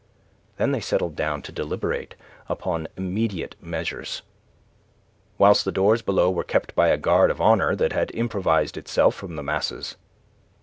Then they settled down to deliberate upon immediate measures, whilst the doors below were kept by a guard of honour that had improvised itself from the masses.